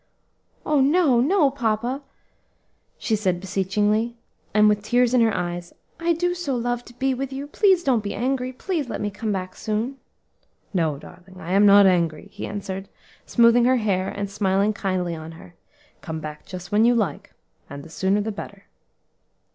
"Oh! no, no, papa," she said beseechingly, and with tears in her eyes; "I do so love to be with you. Please don't be angry; please let me come back soon." "No, darling, I am not angry," he answered, smoothing her hair and smiling kindly on her; "come back just when you like, and the sooner the better."